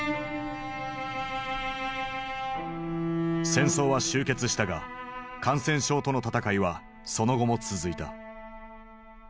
戦争は終結したが感染症との闘いはその後も続いた。